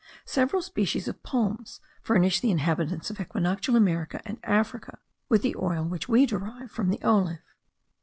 Several species of palms* furnish the inhabitants of equinoctial America and Africa with the oil which we derive from the olive.